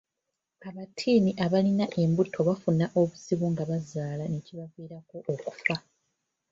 Abatiini abali embuto bafuna obuzibu nga bazaala ekibaviirako okufa.